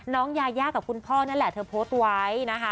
ยายากับคุณพ่อนั่นแหละเธอโพสต์ไว้นะคะ